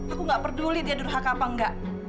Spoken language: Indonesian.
aku nggak peduli dia durhaka apa enggak